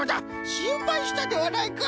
しんぱいしたではないか！」。